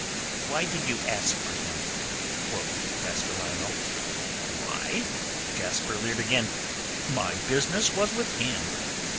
"Why did you ask for him?" quoth Master Lionel. "Why?" Jasper leered again. "My business was with him.